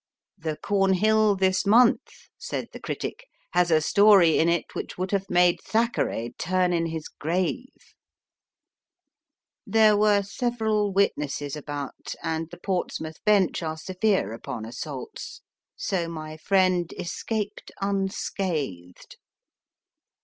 The CornJiill this month, said the critic, A. CONAN DOYLE I0 5 has a story in it which would have made Thackeray turn in his grave. There were several witnesses about, and the Portsmouth bench are severe upon assaults, so my friend escaped unscathed.